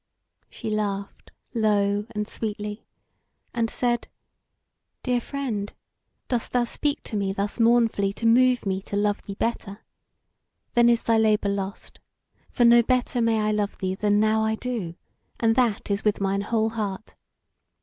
She laughed low and sweetly, and said: "Dear friend, dost thou speak to me thus mournfully to move me to love thee better? Then is thy labour lost; for no better may I love thee than now I do; and that is with mine whole heart.